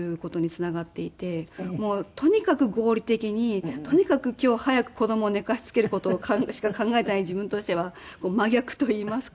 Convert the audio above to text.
もうとにかく合理的にとにかく今日早く子供を寝かしつける事しか考えていない自分としては真逆といいますか。